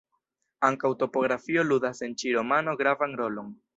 Ankaŭ topografio ludas en ĉi romano gravan rolon.